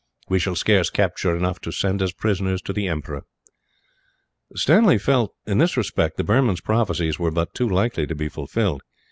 We shall scarce capture enough to send as prisoners to the emperor." Stanley felt that, in this respect, the Burman's prophecies were but too likely to be fulfilled.